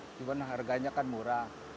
cuman harganya kan murah